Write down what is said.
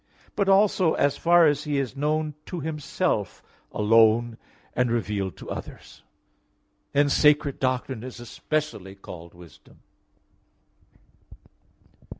1:19) but also as far as He is known to Himself alone and revealed to others. Hence sacred doctrine is especially called wisdom.